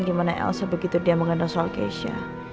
kemana elsa begitu diam mengandung soal keisha